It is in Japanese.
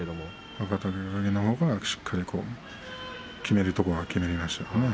若隆景のほうが、しっかりきめるところはきめましたね。